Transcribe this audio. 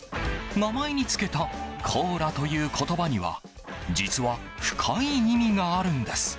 名前に付けた「コーラ」という言葉には実は深い意味があるんです。